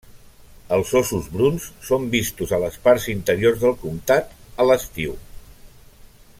Els óssos bruns són vistos a les parts interiors del comtat a l'estiu.